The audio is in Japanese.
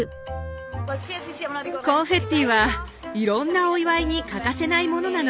コンフェッティはいろんなお祝いに欠かせないものなの。